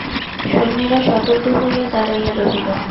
সৈন্যেরা সতর্ক হইয়া দাঁড়াইয়া রহিল।